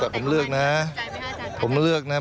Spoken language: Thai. ผมเลือกนะครับผมเลือกนะครับ